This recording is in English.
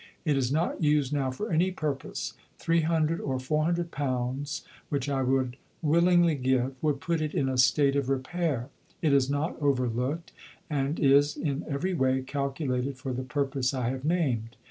It is not used now for any purpose £300 or £400 (which I would willingly give) would put it in a state of repair. It is not overlooked and is in every way calculated for the purpose I have named.